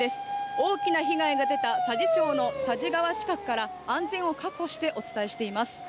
大きな被害が出た佐治町の佐治川近くから、安全を確保してお伝えしています。